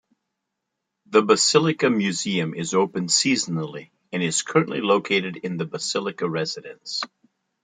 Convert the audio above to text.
The Basilica Museum is open seasonally, and is currently located in the Basilica Residence.